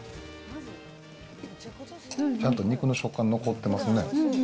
ちゃんと肉の食感、残ってますね。